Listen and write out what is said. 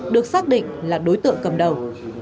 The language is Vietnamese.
được xác định là đối tượng cầm đầu